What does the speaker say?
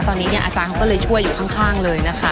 ตอนนี้อาจารย์เค้าต้องเลยช่วยอยู่ข้างเลยนะคะ